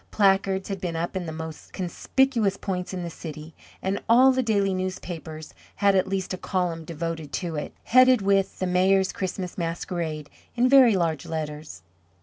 Placards had been up in the most conspicuous points in the city, and all the daily newspapers had at least a column devoted to it, headed with "THE MAYOR'S CHRISTMAS MASQUERADE," in very large letters.